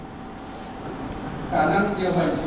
cảm ơn các bạn